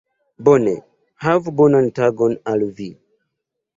Bone, havu bonan tagon al vi